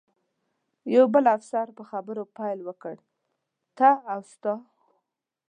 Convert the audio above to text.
یو بل افسر په خبرو پیل وکړ، ته او ستا.